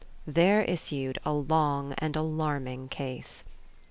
There issued a long and alarming case!